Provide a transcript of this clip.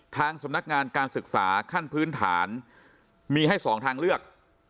ทางสำนักงานการศึกษาขั้นพื้นฐานมีให้สองทางเลือก